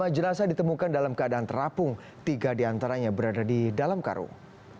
lima jenazah ditemukan dalam keadaan terapung tiga diantaranya berada di dalam karung